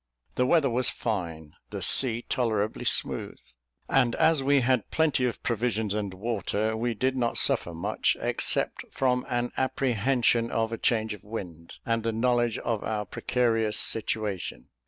The weather was fine the sea tolerably smooth and as we had plenty of provisions and water, we did not suffer much, except from an apprehension of a change of wind, and the knowledge of our precarious situation.